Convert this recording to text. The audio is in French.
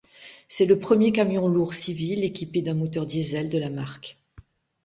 C'est le premier camion lourd civil équipé d'une moteur diesel de la marque.